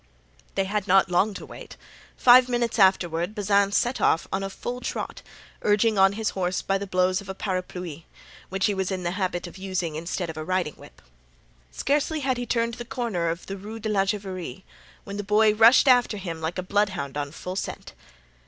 They had not long to wait. Five minutes afterward Bazin set off on a full trot, urging on his horse by the blows of a parapluie, which he was in the habit of using instead of a riding whip. Scarcely had he turned the corner of the Rue de la Juiverie when the boy rushed after him like a bloodhound on full scent.